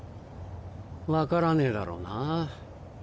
分からねえだろうな。